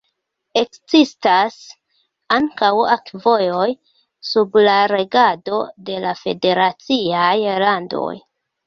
Ekzistas ankaŭ akvovojoj sub la regado de la federaciaj landoj.